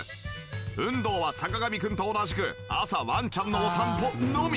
運動は坂上くんと同じく朝ワンちゃんのお散歩のみ。